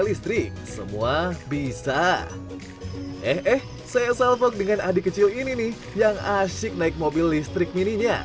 listrik semua bisa eh saya salvok dengan adik kecil ini nih yang asyik naik mobil listrik mininya